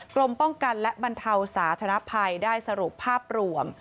กรมป้องกันและบรรเทาสาธนภัยได้สรุปภาพรวม